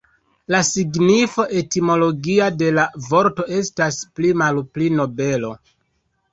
La signifo etimologia de la vorto estas pli malpli "nobelo".